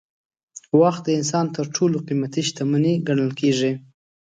وخت د انسان تر ټولو قیمتي شتمني ګڼل کېږي.